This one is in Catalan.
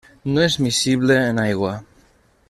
No és miscible en aigua.